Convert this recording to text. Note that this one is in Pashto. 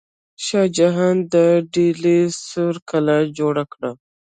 شاه جهان د ډیلي سور کلا جوړه کړه.